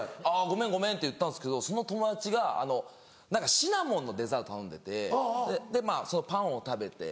ごめんごめんって言ったんですけどその友達がシナモンのデザート頼んでてでそのパンを食べて。